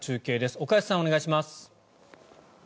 岡安さん、お願いします。